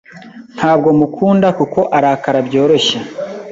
Ntabwo mukunda kuko arakara byoroshye.